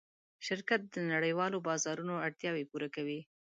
شرکت د نړۍوالو بازارونو اړتیاوې پوره کوي.